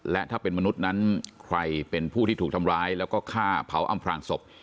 และถ้าเป็นมนุษย์นั้นใครเป็นผู้ที่ถูกทำร้ายแล้วก็ฆ่าเผาอำพลางศพ